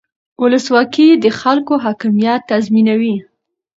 ولسواکي د خلکو حاکمیت تضمینوي